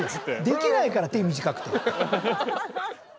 できないから手短くて。